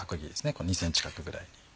この２ｃｍ角くらいに。